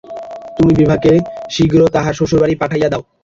তুমি বিভাকে শীঘ্র তাহার শ্বশুরবাড়ি পাঠাইয়া দাও।